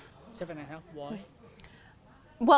kita melihat monyet dan krokodil